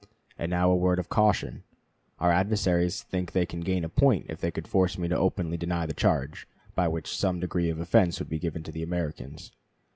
And now a word of caution. Our adversaries think they can gain a point if they could force me to openly deny the charge, by which some degree of offense would be given to the Americans.